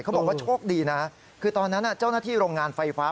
บอกว่าโชคดีนะคือตอนนั้นเจ้าหน้าที่โรงงานไฟฟ้า